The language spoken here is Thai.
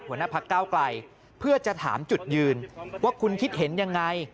หัวหน้าพักเก้าไกลเพื่อจะถามจุดยืนว่าคุณคิดเห็นยังไง